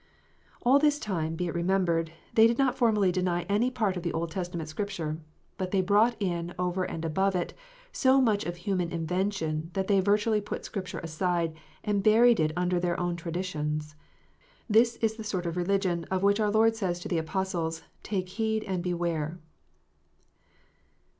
All this time, be it remembered, they did not formally deny any part of the Old Testament Scripture. But they brought in, over and above it, so much of human invention, that they virtually put Scripture aside, and buried it under their ow r n traditions. This is the sort of religion of which our Lord says to the Apostles, " Take heed and beware."